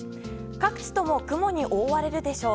各地とも雲に覆われるでしょう。